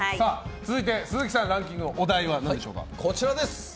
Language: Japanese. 続いて、鈴木さんランキングのお題は何でしょうか。